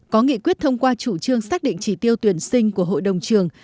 có nghị quyết thông qua chủ trương xác định chỉ tiêu tuyển sinh của hội đồng trường